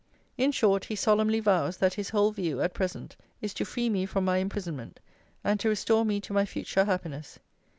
'In short, he solemnly vows, that his whole view, at present, is to free me from my imprisonment; and to restore me to my future happiness.